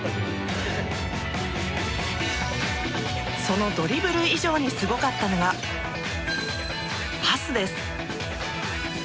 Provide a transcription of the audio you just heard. そのドリブル以上にすごかったのがパスです。